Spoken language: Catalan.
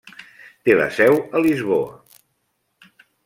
Té la seu a Lisboa.